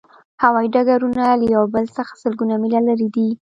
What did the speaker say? هوایی ډګرونه له یو بل څخه سلګونه میله لرې دي